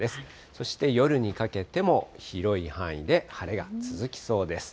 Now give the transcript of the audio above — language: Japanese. そして夜にかけても広い範囲で晴れが続きそうです。